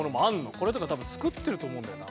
これとか多分作ってると思うんだよな。